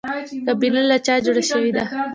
کابینه له چا جوړه شوې ده؟